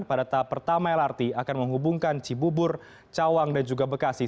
pada tahap pertama lrt akan menghubungkan cibubur cawang dan juga bekasi